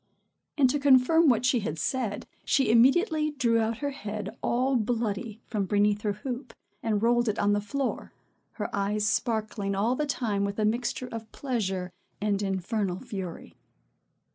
And, to confirm what she had said, she immediately drew out her head all bloody from beneath her hoop, and rolled it on the floor, her eyes sparkling all the time with a mixture of pleasure and infernal fury.